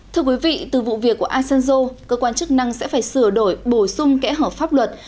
thưa quý vị từ vụ việc của asanjo cơ quan chức năng sẽ phải sửa đổi bổ sung kẽ hở pháp luật